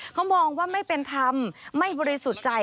เขามองว่าไม่เป็นธรรมไม่บริสุทธิ์ใจ